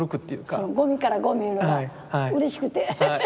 そのゴミからゴミはうれしくて。